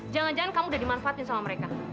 jangan jangan kamu udah dimanfaatin sama mereka